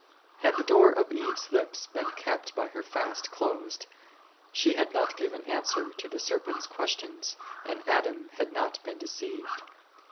Had the door of Eve's lips been kept by her fast closed, she had not given answer to the serpent's questions and Adam had not been deceived.